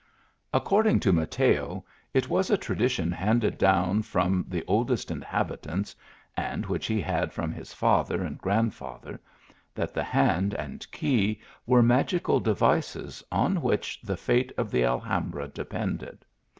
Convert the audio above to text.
According to Mateo, it was a tradition handed down from the oldest inhabitants, and which he had from his father and grandfather, that the hand and 4cey were magical devices on which the fate of the Alhambra depended.